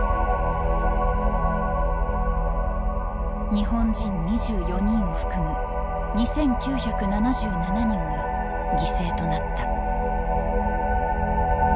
日本人２４人を含む２，９７７人が犠牲となった。